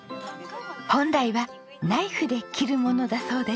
本来はナイフで切るものだそうです。